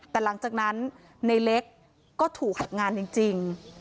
แต่หลังจากนั้นในเล็กก็ถูกหักงานจริง